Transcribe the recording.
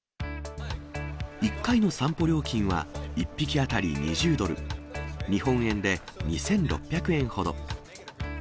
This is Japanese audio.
１回の散歩料金は１匹当たり２０ドル、日本円で２６００円ほど。